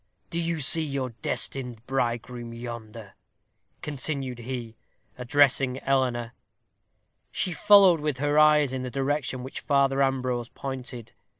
"Do you see your destined bridegroom yonder?" continued he, addressing Eleanor. She followed with her eyes in the direction which Father Ambrose pointed.